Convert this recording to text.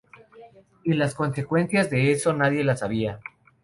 Y las consecuencias de eso nadie las sabía".